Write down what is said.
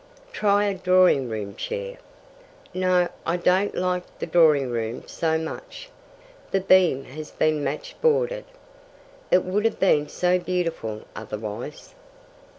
"Try a drawing room chair." "No, I don't like the drawing room so much. The beam has been match boarded. It would have been so beautiful otherwise.